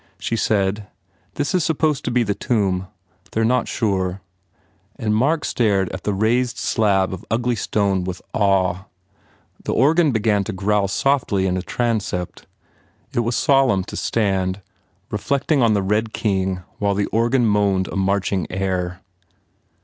She said, "This is supposed to be the tomb. They re not sure," and Mark stared at the raised slab of ugly stone with awe. The organ began to growl softly in a transept. It was solemn to stand, reflecting on the Red King while the organ moaned a marching air.